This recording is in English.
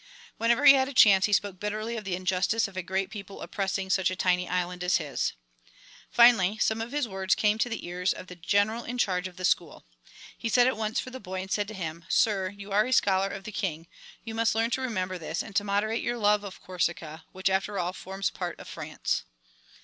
Whenever he had a chance he spoke bitterly of the injustice of a great people oppressing such a tiny island as his. Finally some of his words came to the ears of the general in charge of the school. He sent at once for the boy and said to him, "Sir, you are a scholar of the King, you must learn to remember this and to moderate your love of Corsica, which after all forms part of France."